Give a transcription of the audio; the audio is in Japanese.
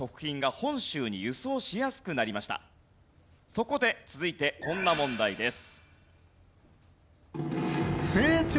そこで続いてこんな問題です。